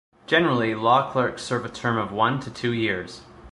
Generally, law clerks serve a term of one to two years.